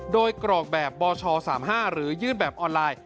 โดยกรอกแบบบช๓๕หรือยื่นแบบออนไลน์